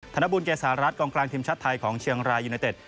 ธนบุญเกษารัฐกองกลางทีมชาติไทยของเชียงรายยูเนเต็ด